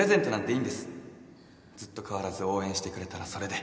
ずっと変わらず応援してくれたらそれで